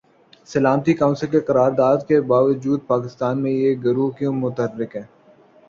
سلامتی کونسل کی قرارداد کے باجود پاکستان میں یہ گروہ کیوں متحرک ہیں؟